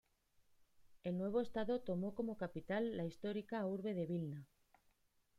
El nuevo estado tomó como capital la histórica urbe de Vilna.